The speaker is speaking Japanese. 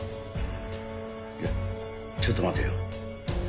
いやちょっと待てよ。